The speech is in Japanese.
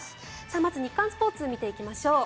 まず日刊スポーツを見ていきましょう。